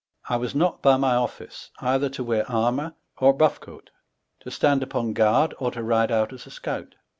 I waa not by my o either to weare armour, or buft'e cote ; to stand upon guard, or to ride out aa a scout.